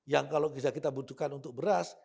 yang kalau bisa kita butuhkan untuk beras